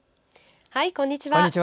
こんにちは。